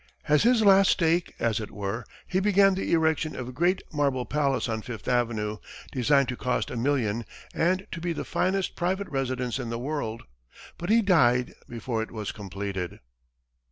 As his last stake, as it were, he began the erection of a great marble palace on Fifth Avenue, designed to cost a million and to be the finest private residence in the world, but he died before it was completed.